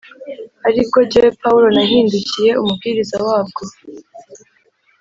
ari bwo jyewe Pawulo nahindukiye umubwiriza wabwo